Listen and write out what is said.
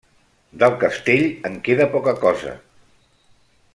Del castell, en queda poca cosa.